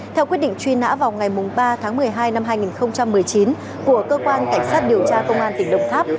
theo quyết định truy nã vào ngày ba tháng một mươi hai năm hai nghìn một mươi chín của cơ quan cảnh sát điều tra công an tỉnh đồng tháp